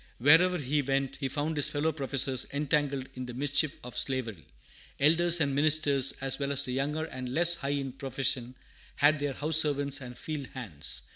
Wherever he went, he found his fellow professors entangled in the mischief of slavery. Elders and ministers, as well as the younger and less high in profession, had their house servants and field hands.